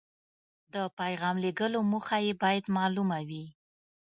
د پیغام د لیږلو موخه یې باید مالومه وي.